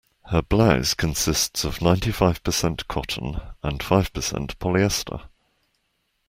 Her blouse consists of ninety-five percent cotton and five percent polyester.